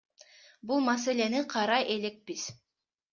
Бул маселени карай элекпиз.